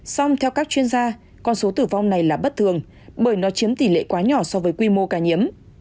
song theo các chuyên gia con số tử vong này là bất thường bởi nó chiếm tỷ lệ quá nhỏ so với quy mô ca nhiễm